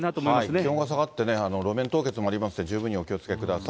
気温が下がって路面凍結もありますので、十分にお気をつけください。